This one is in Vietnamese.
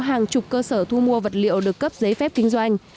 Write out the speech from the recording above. hàng chục cơ sở thu mua vật liệu được cấp giấy phép kinh doanh